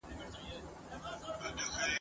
ستا په نوم به خیراتونه وېشل کېږي ..